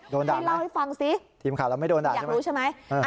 โดนด่าไหมทีมข่าวเราไม่โดนด่าใช่ไหมอยากรู้ใช่ไหม